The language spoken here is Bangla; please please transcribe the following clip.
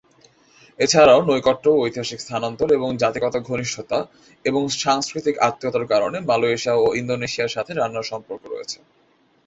এছাড়াও নৈকট্য, ঐতিহাসিক স্থানান্তর এবং জাতিগত ঘনিষ্ঠতা ও সাংস্কৃতিক আত্মীয়তার কারণে মালয়েশিয়া ও ইন্দোনেশিয়ার সাথে রান্নার সম্পর্ক রয়েছে।